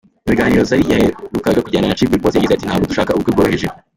Mu biganiro Zari yaherukaga kugirana na Chimp Reports yagize ati "Ntabwo dushaka ubukwe bworoheje.